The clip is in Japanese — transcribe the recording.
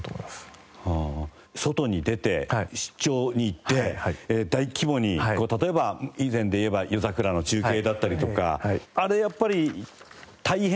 外に出て出張に行って大規模に例えば以前で言えば夜桜の中継だったりとかあれやっぱり大変は大変ですよね？